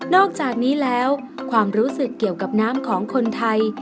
อกจากนี้แล้วความรู้สึกเกี่ยวกับน้ำของคนไทย